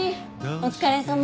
お疲れさま。